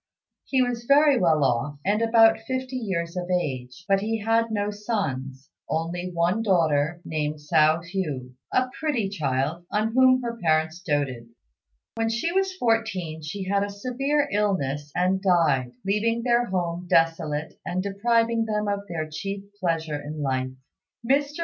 He was very well off, and about fifty years of age, but he had no sons; only one daughter, named Hsiao hui, a pretty child on whom her parents doted. When she was fourteen she had a severe illness and died, leaving their home desolate and depriving them of their chief pleasure in life. Mr.